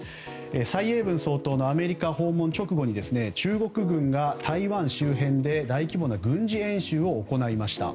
蔡英文総統のアメリカ訪問直後に中国軍が台湾周辺で大規模な軍事演習を行いました。